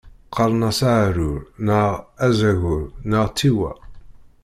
Qqaren-as aɛrur neɣ azagur neɣ tiwwa.